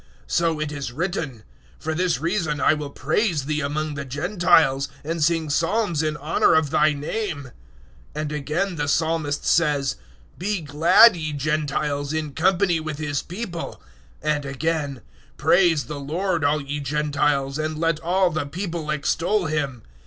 So it is written, "For this reason I will praise Thee among the Gentiles, and sing psalms in honour of Thy name." 015:010 And again the Psalmist says, "Be glad, ye Gentiles, in company with His People." 015:011 And again, "Praise the Lord, all ye Gentiles, and let all the people extol Him."